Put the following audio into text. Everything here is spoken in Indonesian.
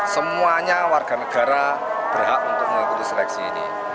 semuanya warga negara berhak untuk mengikuti seleksi ini